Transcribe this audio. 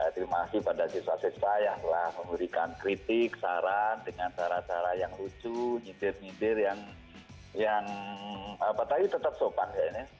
terima kasih pada siswa siswa yang telah memberikan kritik saran dengan cara cara yang lucu nyindir nyindir yang tetap sopan